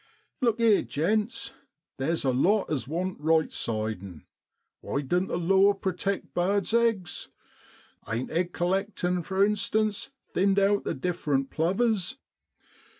1 Look 'ere, gents, theer's a lot as want right sidin'. Why doan't the law protect birds' eggs ? Ain't egg collectin', for instance, thinned out the different plovers